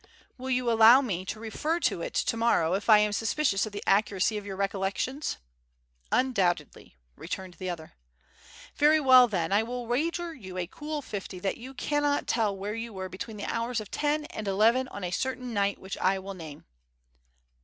"Will you allow me to refer to it tomorrow, if I am suspicious of the accuracy of your recollections?" "Undoubtedly," returned the other. "Very well, then, I will wager you a cool fifty that you cannot tell where you were between the hours of ten and eleven on a certain night which I will name."